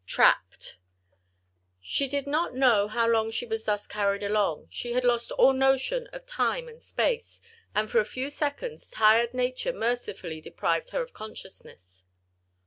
TRAPPED She did not know how long she was thus carried along, she had lost all notion of time and space, and for a few seconds tired nature, mercifully, deprived her of consciousness.